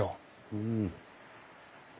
うん。